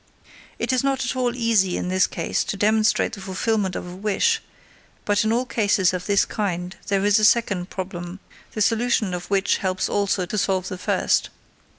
"_ It is not at all easy in this case to demonstrate the fulfillment of a wish, but in all cases of this kind there is a second problem, the solution of which helps also to solve the first.